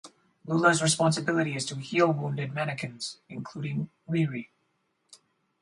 LuLa's responsibility is to heal wounded mannequins, including RiRi.